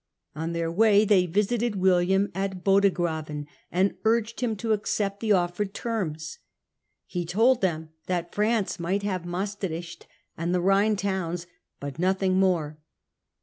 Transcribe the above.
On ambassa their way they visited William at Bodegrave, dors, and urged him to accept the offered terms. He told them that France might have Maestricht and the Rhine towns, but nothing more.